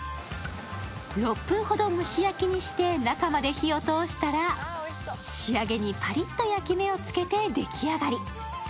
６分ほど蒸し焼きにして中まで火を通したら、仕上げにパリッと焼き目をつけて出来上がり。